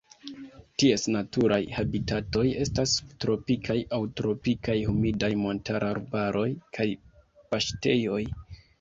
Ties naturaj habitatoj estas subtropikaj aŭ tropikaj humidaj montararbaroj kaj paŝtejoj.